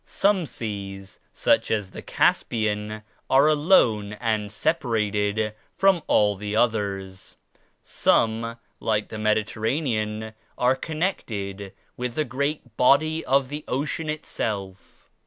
Some seas such as the Caspian, are alone and separated from all the others; some like the Mediterranean are connected with the great body of the Ocean itself.